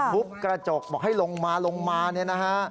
ทุบกระจกบอกให้ลงมาลงมาเนี่ยนะฮะ